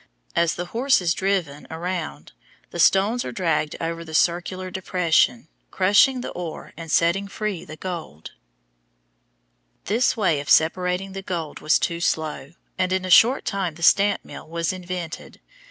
As the horse is driven around the stones are dragged over the circular depression, crushing the ore and setting free the gold. [Illustration: FIG. 103. THE STAMPS IN A QUARTZ MILL] This way of separating the gold was too slow, and in a short time the stamp mill was invented.